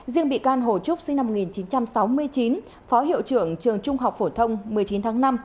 riêng bị can hồ trúc sinh năm một nghìn chín trăm sáu mươi chín phó hiệu trưởng trường trung học phổ thông một mươi chín tháng năm